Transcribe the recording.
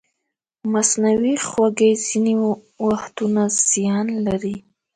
مصنوعي خوږې ځینې وختونه زیان لري.